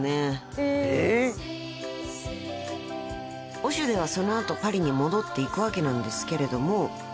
［オシュデはその後パリに戻っていくわけなんですけれども］